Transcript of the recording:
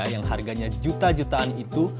yang harganya juta jutaan itu